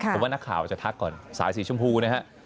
ผมว่านักข่าวจะทักก่อนสายสีชมพูนะฮะ